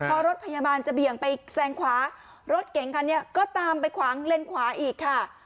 พอรถพยาบาลจะเบี่ยงไปแซงขวารถเก๋งคันนี้ก็ตามไปขวางเลนขวาอีกค่ะ